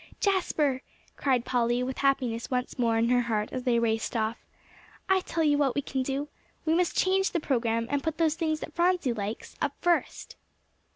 "Jasper," cried Polly, with happiness once more in her heart as they raced off, "I tell you what we can do. We must change the program, and put those things that Phronsie likes, up first."